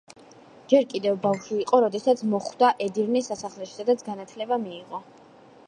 ჯერ კიდევ ბავშვი იყო, როდესაც მოხვდა ედირნეს სასახლეში, სადაც განათლება მიიღო.